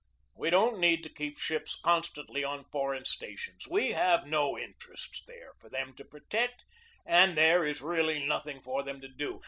We don't need to keep ships constantly on foreign stations we have no interests there for them to protect, and there is really nothing for them to do.